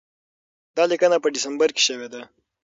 دا لیکنه په ډسمبر کې شوې ده.